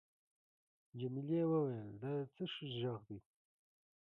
جميلې وويل:: دا د څه شي ږغ دی؟